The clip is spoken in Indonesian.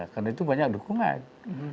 karena itu banyak dukungan